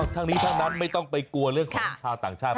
ทั้งนี้ทั้งนั้นไม่ต้องไปกลัวเรื่องของชาวต่างชาติ